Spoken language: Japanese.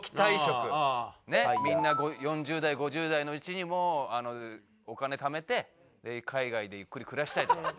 みんな４０代５０代のうちにもうお金ためてで海外でゆっくり暮らしたいと。